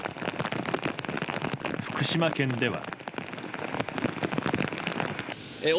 福島県では。